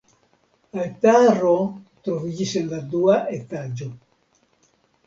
Altaro troviĝis en la dua etaĝo.